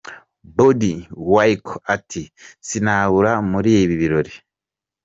Baddie Winkle ati 'Sinabura muri ibi birori'.